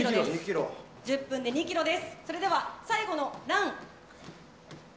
１０分で２ｋｍです。